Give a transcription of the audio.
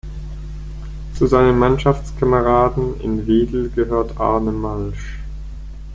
Zu seinen Mannschaftskameraden in Wedel gehörte Arne Malsch.